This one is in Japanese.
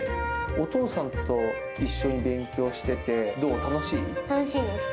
お父さんと一緒に勉強してて、楽しいです。